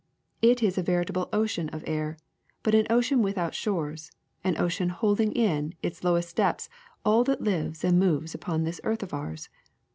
It is a veritable ocean of air, but an ocean with out shores, an ocean holding in its lowest depths all that lives and moves upon this earth of ours.